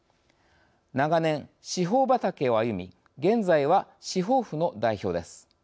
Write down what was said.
長年司法畑を歩み現在は司法府の代表です。